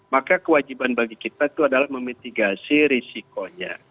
maka kewajiban bagi kita itu adalah memitigasi risikonya